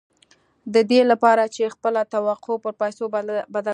د دې لپاره چې خپله توقع پر پيسو بدله کړئ.